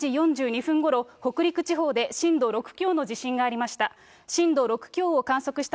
午後２時４２分ごろ、北陸地方で震度６強の地震がありました。